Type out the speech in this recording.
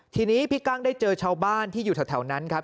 ทีนี้พี่กั้งได้เจอชาวบ้านที่อยู่แถวนั้นครับ